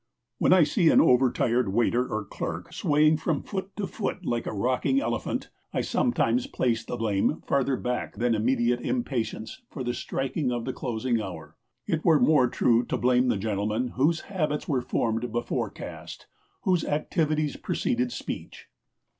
When I see an overtired waiter or clerk swaying from foot to foot like a rocking elephant, I sometimes place the blame further back than immediate impatience for the striking of the closing hour. It were more true to blame the gentlemen whose habits were formed before caste, whose activities preceded speech.